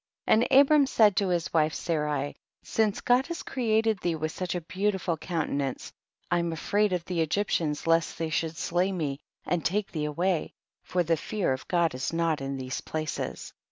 4. And Abram said to his wife Sarai, since God has created thee with such a beautiful countenance, I am afraid of the Egyptians lest they should slay me and take thee away, for the fear of God is not in these places.